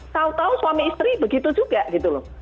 tahu tahu suami istri begitu juga gitu loh